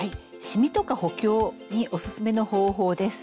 しみとか補強におすすめの方法です。